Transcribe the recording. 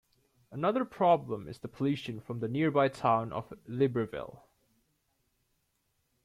Another problem is the pollution from the nearby town of Libreville.